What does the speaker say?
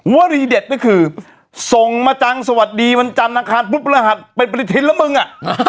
วรีเด็ดก็คือส่งมาจังสวัสดีวันจันทร์อังคารปุ๊บรหัสเป็นปฏิทินแล้วมึงอ่ะ